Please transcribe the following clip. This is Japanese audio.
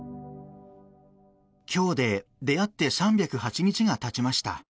今日で出会って３０８日がたちました。